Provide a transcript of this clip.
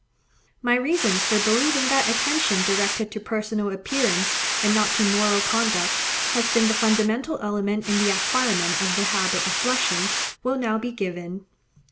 My reasons for believing that attention directed to personal appearance, and not to moral conduct, has been the fundamental element in the acquirement of the habit of blushing, will now be given.